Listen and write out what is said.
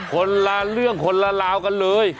คนละเรื่องคนละลาวกันเลย